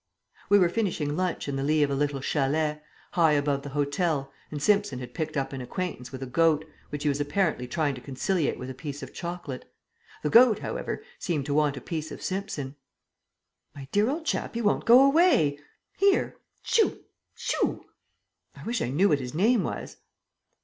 We were finishing lunch in the lee of a little chalet, high above the hotel, and Simpson had picked up an acquaintance with a goat, which he was apparently trying to conciliate with a piece of chocolate. The goat, however, seemed to want a piece of Simpson. "My dear old chap, he won't go away. Here shoo! shoo! I wish I knew what his name was."